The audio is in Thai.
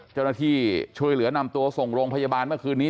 เจ้าหน้าที่ช่วยเหลือนำตัวส่งโรงพยาบาลเมื่อคืนนี้